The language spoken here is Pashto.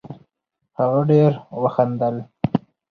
هغه ډېر وخندل